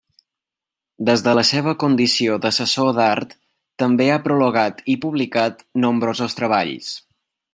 Des de la seva condició d’assessor d’art també ha prologat i publicat nombrosos treballs.